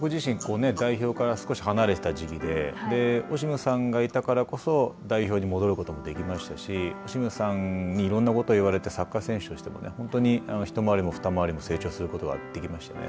僕自身、代表から少し離れてた時期でオシムさんがいたからこそ代表に戻ることもできましたしオシムさんにいろんなこと言われてサッカー選手としてもね本当に一回りも二回りも成長することができましたね。